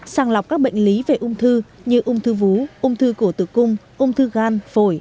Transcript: sàng lọc các bệnh lý về ung thư như ung thư vú ung thư cổ tử cung ung thư gan phổi